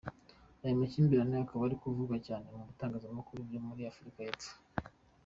Aya makimbirane akaba ari kuvugwa cyane mu bitangazamakuru byo muri Afurika y’Epfo.